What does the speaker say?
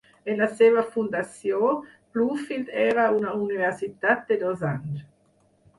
En la seva fundació, Bluefield era una universitat de dos anys.